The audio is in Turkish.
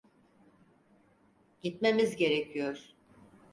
Gitmemiz gerekiyor.